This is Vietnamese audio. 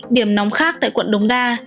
điểm nóng khác tại quận đồng đa